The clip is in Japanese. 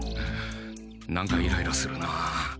何かイライラするな。